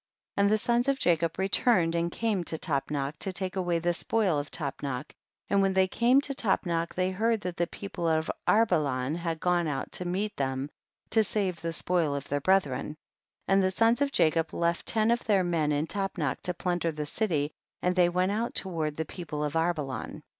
4. And the sons of Jacob returned and came to Tapnach, to take away the spoil of Tapnach, and when they came to Tapnach they heard that the people of Arbelan had gone out to meet them to save the spoil of their brethren, and the sons of Jacob left ten of their men in Tapnach to plun der the city, and they went out to ward the people of Arbelan.